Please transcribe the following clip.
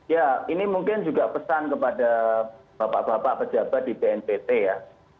ya ini mungkin juga pesan kepada bapak bapak pejabat di bnpt ya